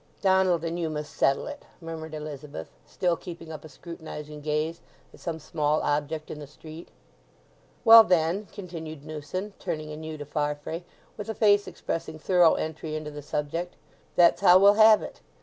"Donald and you must settle it," murmured Elizabeth, still keeping up a scrutinizing gaze at some small object in the street. "Well, then," continued Newson, turning anew to Farfrae with a face expressing thorough entry into the subject, "that's how we'll have it.